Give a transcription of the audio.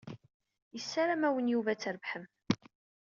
Yessaram-awen Yuba ad trebḥem.